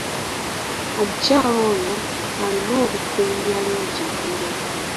Omukyala oyo alina olukuunya lungi nnyo.